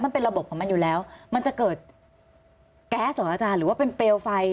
มันเป็นระบบของมันอยู่แล้วมันจะเกิดแก๊สหรือเปลวไฟ